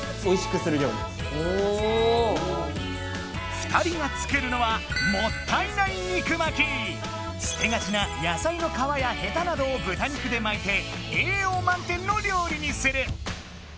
２人が作るのは捨てがちな野菜の皮やヘタなどを豚肉で巻いてえいよう満点の料理にする！